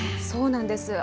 そうなんです。